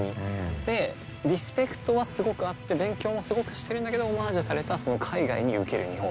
でリスペクトはすごくあって勉強もすごくしてるんだけどオマージュされたその海外にウケる日本みたいな。